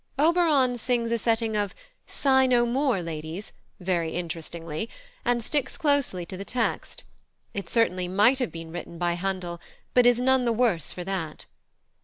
Oberon sings a setting of "Sigh no more, ladies" very interestingly, and sticks closely to the text; it certainly might have been written by Handel, but is none the worse for that.